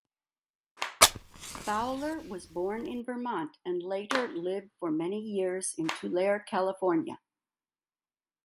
Fowler was born in Vermont and later lived for many years in Tulare, California.